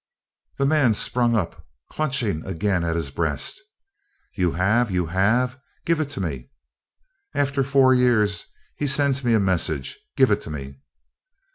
The man sprung up, clutching again at his breast. "You have? you have? Give it to me. After four years he sends me a message! Give it to me!"